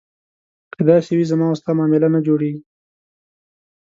که داسې وي زما او ستا معامله نه جوړېږي.